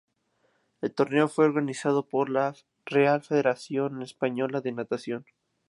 El torneo fue organizado por la Real Federación Española de Natación.